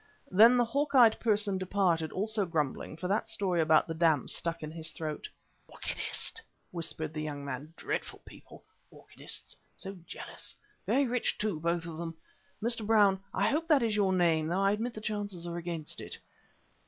Then the hawk eyed person departed, also grumbling, for that story about the damp stuck in his throat. "Orchidist!" whispered the young man. "Dreadful people, orchidists, so jealous. Very rich, too, both of them. Mr. Brown I hope that is your name, though I admit the chances are against it."